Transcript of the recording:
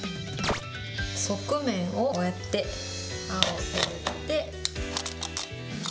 側面をこうやって刃を入れて。